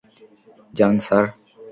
যান, স্যার।